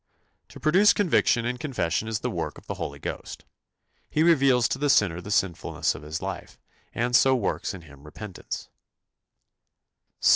" To produce conviction and confession is the work of the Holy Ghost. He reveals to the sinner the sinfulness of his life, and so works in him repentance.